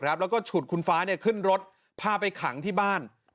แล้วก็ฉุดคุณฟ้าขึ้นรถพาไปขังที่บ้าน